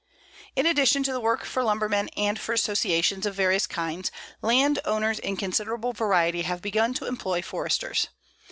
In addition to the work for lumbermen and for associations of various kinds, land owners in considerable variety have begun to employ Foresters.